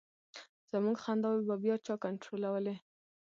زمونږ خنداوې به بیا چا کنټرولولې.